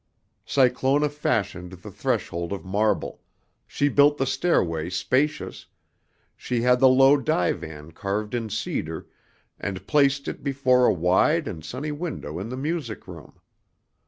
Cyclona fashioned the threshold of marble, she built the stairway spacious, she had the low divan carved in cedar and placed it before a wide and sunny window in the music room.